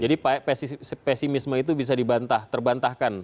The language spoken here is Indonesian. jadi pesimisme itu bisa dibantah terbantahkan